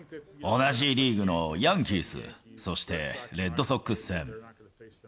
同じリーグのヤンキース、そしてレッドソックス戦。